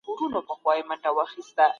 جنګ کوم لګيا يمه زه